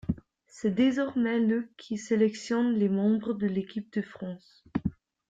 C'est désormais le qui sélectionne les membres de l'équipe de France.